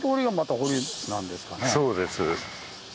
そうです。